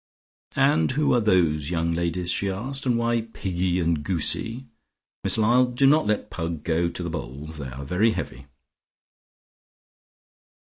"And who are those young ladies?" she asked. "And why Piggy and Goosie? Miss Lyall, do not let Pug go to the bowls. They are very heavy."